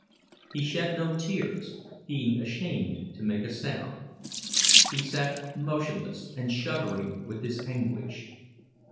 He shed no tears, being ashamed to make a sound; he sat motionless and shuddering with his anguish.